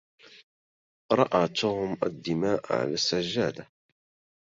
راى توم الدماء على السجادة.